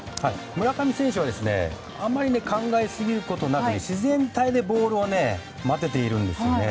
村上選手は、あんまり考えすぎることなく自然体でボールを待ててるんですよね。